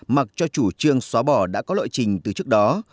mặc cho chủ trương xóa bỏ đã có lộ trình từ trước đó